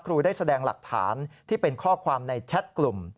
ได้แสดงหลักฐานที่เป็นข้อความในแชทกลุ่ม